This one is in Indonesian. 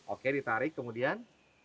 oke ditarik kemudian